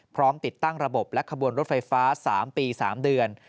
ติดตั้งระบบและขบวนรถไฟฟ้า๓ปี๓เดือน